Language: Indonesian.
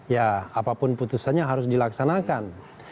ya apapun putusannya harus dilaksanakan